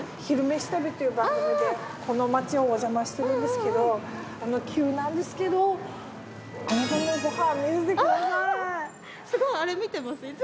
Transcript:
「昼めし旅」という番組でこの街をおじゃましてるんですけど急なんですけどすごいあれ観てます。